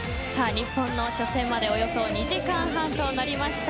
日本の初戦までおよそ２時間半となりました。